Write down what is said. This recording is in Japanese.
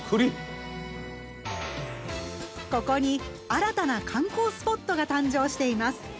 ここに新たな観光スポットが誕生しています。